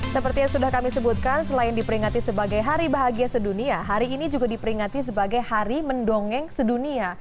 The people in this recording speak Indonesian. seperti yang sudah kami sebutkan selain diperingati sebagai hari bahagia sedunia hari ini juga diperingati sebagai hari mendongeng sedunia